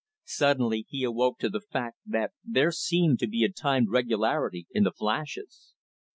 Suddenly, he awoke to the fact that there seemed to be a timed regularity in the flashes.